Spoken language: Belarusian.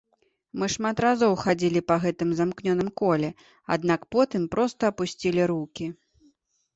Мы шмат разоў хадзілі па гэтым замкнёным коле, аднак потым проста апусцілі рукі.